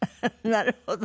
なるほど。